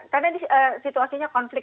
karena situasinya konflik